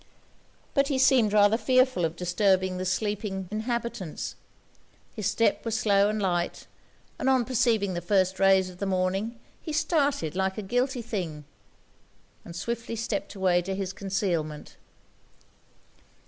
But he seemed rather fearful of disturbing the sleeping inhabitants; his step was slow and light; and on perceiving the first rays of the morning, he 'started like a guilty thing,' and swiftly stepped away to his concealment.